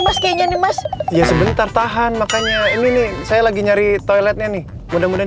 mas kayaknya nih mas ya sebentar tahan makanya ini saya lagi nyari toiletnya nih mudah mudahan